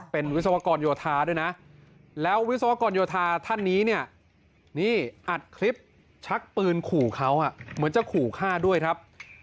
เป็นวิศวกรโยธาด้วยนะแล้ววิศวกรโยธาท่านนี้เนี่ยนี่อัดคลิปชักปืนขู่เขาเหมือนจะขู่ฆ่าด้วยครับ